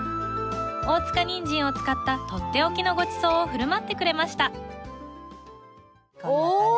大塚にんじんを使った取って置きのごちそうを振る舞ってくれましたお！